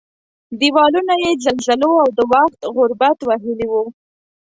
دېوالونه یې زلزلو او د وخت غربت وهلي وو.